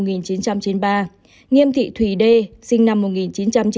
nghiêm thị thủy đê sinh năm một nghìn chín trăm chín mươi chín